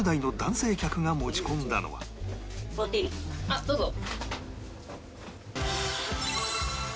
あっどうぞ。